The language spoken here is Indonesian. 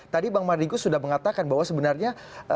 tadi bang mardigu sudah mengatakan bahwa sebenarnya